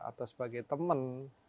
atau sebagai temen